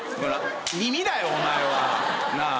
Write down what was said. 耳だよお前は。なあ。